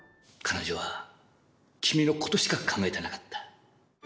彼女は君のことしか考えてなかった。